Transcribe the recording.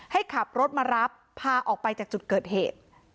ให้ขับรถมารับพาออกไปจากจุดเกิดเหตุ